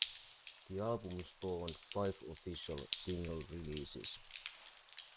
The album spawned five official single releases.